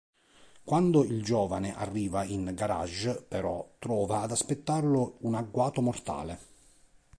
Quando il giovane arriva in garage, però, trova ad aspettarlo un agguato mortale.